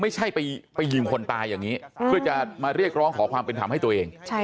ไม่ใช่ไปยิงคนตายอย่างนี้เพื่อจะมาเรียกร้องขอความเป็นธรรมให้ตัวเอง